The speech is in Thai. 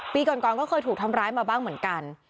ปีก่อนก็เคยถูกทำร้ายมาบ้างเหมือนกัน